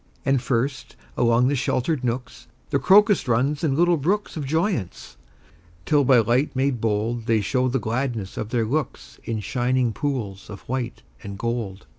And first, along the sheltered nooks, The crocus runs in little brooks Of joyance, till by light made bold They show the gladness of their looks In shining pools of white and gold.